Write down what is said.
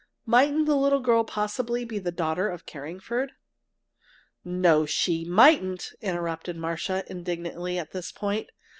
Mightn't the little girl possibly be the daughter of Carringford? "No, she mightn't!" interrupted Marcia, indignantly, at this point.